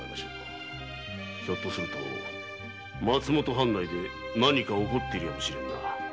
ひょっとすると松本藩内で何か起こっているやもしれぬ。